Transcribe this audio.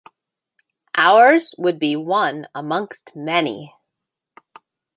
Ours would be one amongst many.